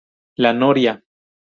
La noria